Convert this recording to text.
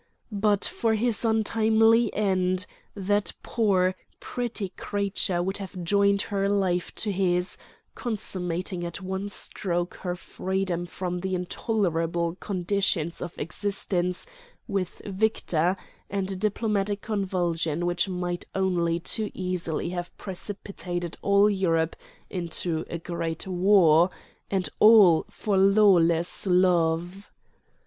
But for his untimely end, that poor, pretty creature would have joined her life to his, consummating at one stroke her freedom from the intolerable conditions of existence with Victor and a diplomatic convulsion which might only too easily have precipitated all Europe into a great war—and all for lawless love!